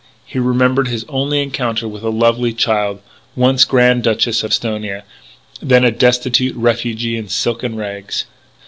He remembered his only encounter with a lovely child once Grand Duchess of Esthonia then a destitute refugee in silken rags.